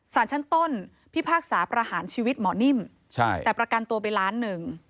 สารชั้นต้นพิพากษาประหารชีวิตหมอนิ่มแต่ประกันตัวไปล้านหนึ่ง